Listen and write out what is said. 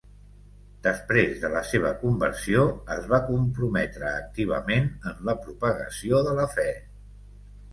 Després de la seva conversió, es va comprometre activament en la propagació de la fe.